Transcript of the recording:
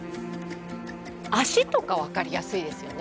足とか分かりやすいですよね。